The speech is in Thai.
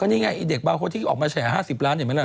นี่ไงไอ้เด็กบางคนที่ออกมาแฉ๕๐ล้านเห็นไหมล่ะ